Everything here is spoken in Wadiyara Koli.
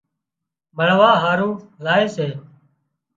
مۯوا هارو زائي سي